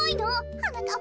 はなかっ